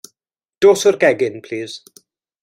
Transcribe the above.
Dos o'r gegin plis.